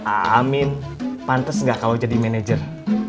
amin pantes nggak kalau jadi manajer